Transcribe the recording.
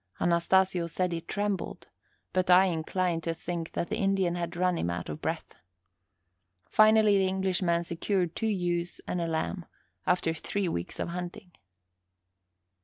Anastasio said he trembled, but I incline to think that the Indian had run him out of breath. Finally the Englishman secured two ewes and a lamb, after three weeks of hunting.